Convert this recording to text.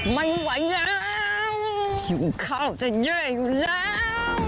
ไม่ไหวแล้วหิวข้าวจะแย่อยู่แล้ว